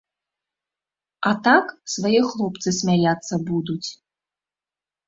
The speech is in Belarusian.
А так свае хлопцы смяяцца будуць.